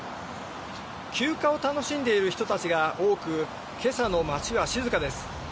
休暇を楽しんでいる人たちが多く、けさの街は静かです。